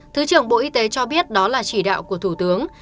thứ trưởng bộ y tế cho biết đó là chỉ đạo của thủ tướng